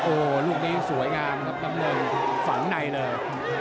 โอ้โหลูกนี้สวยงามครับน้ำเงินฝังในเลย